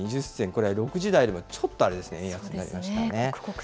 これは６時台よりもちょっとあれですね、円安になりましたね。